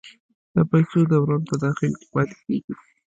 د پیسو دوران په داخل کې پاتې کیږي؟